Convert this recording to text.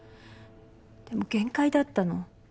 でも限界だったの。